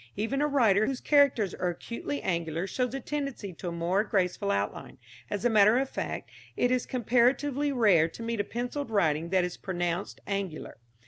Even a writer whose characters are acutely angular shows a tendency to a more graceful outline. As a matter of fact, it is comparatively rare to meet a pencilled writing that is pronouncedly angular.